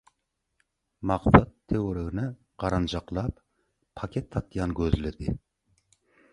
Maksat töweregine garanjaklap paket satýan gözledi.